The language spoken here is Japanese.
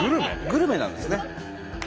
グルメなんですね。